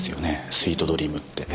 スイートドリームって。